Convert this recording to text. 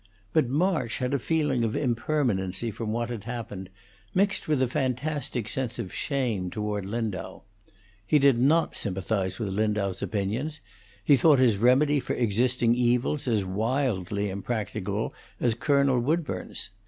But March had a feeling of impermanency from what had happened, mixed with a fantastic sense of shame toward Lindau. He did not sympathize with Lindau's opinions; he thought his remedy for existing evils as wildly impracticable as Colonel Woodburn's.